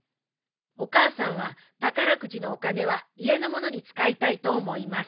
お母さんは宝くじのお金は家のものに使いたいと思います。